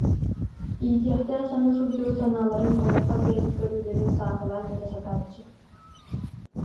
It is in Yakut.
Иитиэхтээн саныы сылдьыбыт санааларын, олоххо бэйэтин көрүүлэрин сааһылаан этэ сатааччы